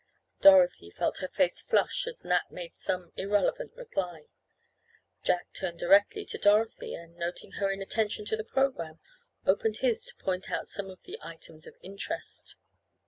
Dorothy felt her face flush as Nat made some irrelevant reply. Jack turned directly to Dorothy and, noting her inattention to the programme opened his to point out some of the items of interest.